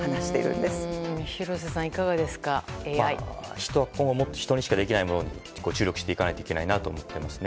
人は人にしかできないことに注力していかないといけないなと思っていますね。